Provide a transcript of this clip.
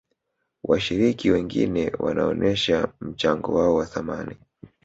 washiriki wengine wanaonesha mchango wao wa thamani